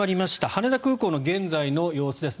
羽田空港の現在の様子です。